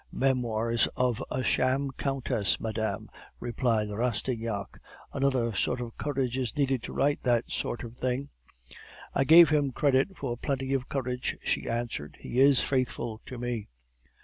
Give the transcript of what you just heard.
"'Memoirs of a sham countess, madame,' replied Rastignac. 'Another sort of courage is needed to write that sort of thing.' "'I give him credit for plenty of courage,' she answered; 'he is faithful to me.